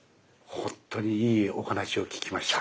本当にいいお話を聞きました。